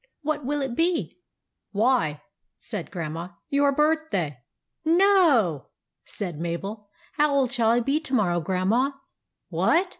" What will it be ?"" Why," said Grandma, " your birthday." "No!" said Mabel. "How old shall I be to morrow, Grandma ?" "What?